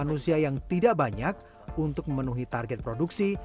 manusia yang tidak banyak untuk memenuhi target produksi